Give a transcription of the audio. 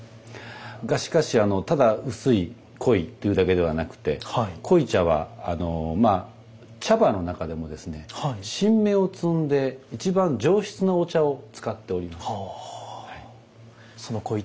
がしかしただ「薄い」「濃い」というだけではなくて濃茶はまあ茶葉の中でもですね新芽を摘んで一番上質なお茶を使っております。